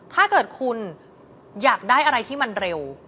ถ้าเกิดคุณอยากได้อะไรที่มันเร็ว